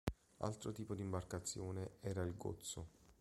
Altro tipo di imbarcazione era il "gozzo".